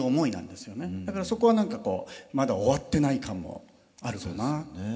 だからそこは何かこうまだ終わってない感もあるかな。